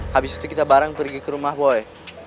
habis itu kita bareng pergi ke rumah boleh